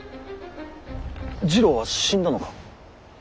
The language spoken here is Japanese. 次郎は死んだのか。